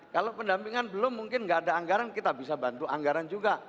kalau pendampingan belum mungkin nggak ada anggaran kita bisa bantu anggaran juga